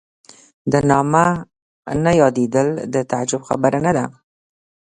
د نامه نه یادېدل د تعجب خبره نه ده.